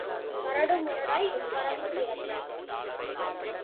கரடு முரடாய்ப் பரந்து கிடக்கும்.